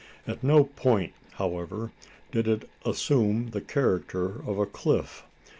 At no point, however, did it assume the character of a cliff.